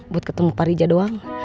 buat ketemu pak riza doang